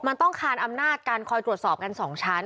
มันต้องคานอำนาจการคอยตรวจสอบกัน๒ชั้น